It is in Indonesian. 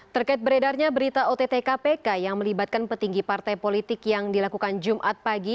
terkait beredarnya berita ott kpk yang melibatkan petinggi partai politik yang dilakukan jumat pagi